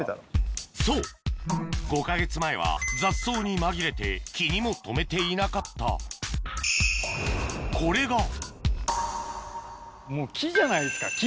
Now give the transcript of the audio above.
そう５か月前は雑草に紛れて気にも留めていなかったこれがもう木じゃないですか木。